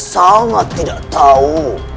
sangat tidak tahu